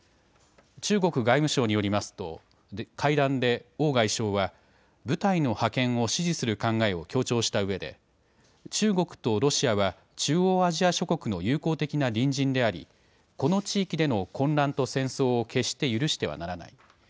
中国外務省によりますと会談で王外相は部隊の派遣を支持する考えを強調したうえで中国とロシアは中央アジア諸国の友好的な隣人でありこの地域での混乱と戦争を決して許してはならない。